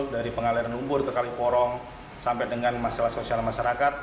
dari pengaliran lumpur ke kaliporong sampai dengan masalah sosial masyarakat